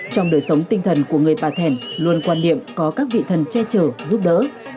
trong đời sống tinh thần của người bà thẻn luôn quan niệm có các vị thần che chở giúp đỡ